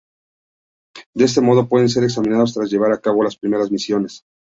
De este modo pueden ser examinados tras llevar a cabo las primeras misiones.